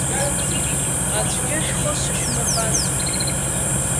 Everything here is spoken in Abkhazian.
Аӡәгьы шәхы сышәмырбан.